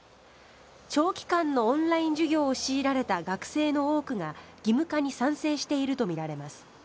長期間のオンライン授業を強いられた学生の多くが義務化に賛成しているとみられます。